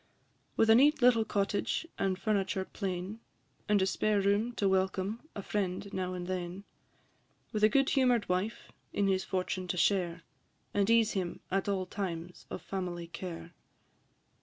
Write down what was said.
With a neat little cottage and furniture plain, And a spare room to welcome a friend now and then; With a good humour'd wife in his fortune to share, And ease him at all times of family care.